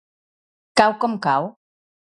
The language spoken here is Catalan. Cau com cau.